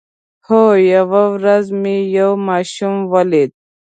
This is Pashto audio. هو، یوه ورځ مې یو ماشوم ولید